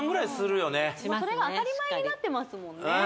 それが当たり前になってますもんね